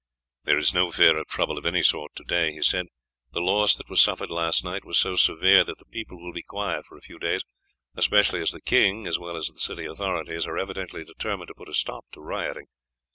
"There is no fear of trouble of any sort to day," he said. "The loss that was suffered last night was so severe that the people will be quiet for a few days, especially as the king, as well as the city authorities, are evidently determined to put a stop to rioting.